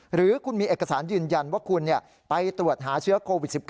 หรือคุณมีเอกสารยืนยันว่าคุณไปตรวจหาเชื้อโควิด๑๙